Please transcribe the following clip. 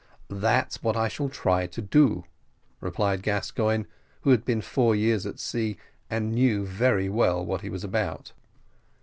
"That's what I shall try to do," replied Gascoigne, who had been four years at sea, and knew very well what he was about.